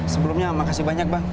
sebelumnya makasih banyak bang